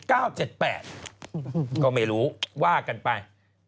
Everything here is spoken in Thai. ก็ไม่รู้ว่ากันไป